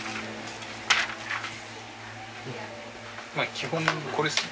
基本これですね。